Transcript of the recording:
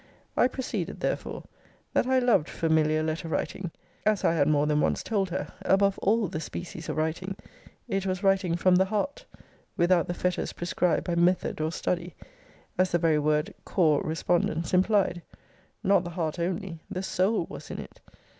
I proceeded therefore That I loved familiar letter writing, as I had more than once told her, above all the species of writing: it was writing from the heart, (without the fetters prescribed by method or study,) as the very word cor respondence implied. Not the heart only; the soul was in it.